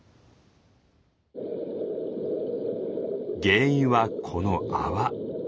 原因はこの泡。